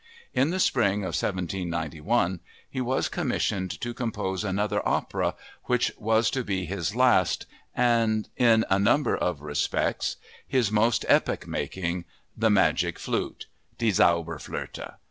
In the spring of 1791 he was commissioned to compose another opera, which was to be his last and, in a number of respects, his most epoch making—The Magic Flute (Die Zauberflöte).